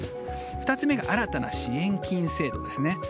２つ目が新たな支援金制度ですね。